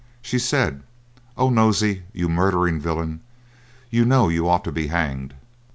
She said, "Oh, Nosey, you murdering villain, you know you ought to be hanged."